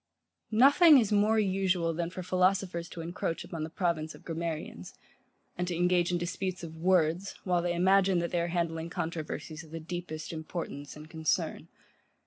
Nothing is more usual than for philosophers to encroach upon the province of grammarians; and to engage in disputes of words, while they imagine that they are handling controversies of the deepest importance and concern.